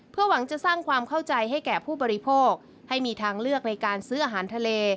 เพื่อหวังจะสร้างความเข้าใจให้แก่ผู้บริโภคให้มีทางเลือกในการซื้ออาหารทะเล